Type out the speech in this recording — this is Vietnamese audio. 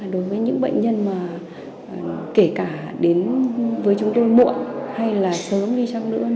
đối với những bệnh nhân mà kể cả đến với chúng tôi muộn hay là sớm đi trong lưỡng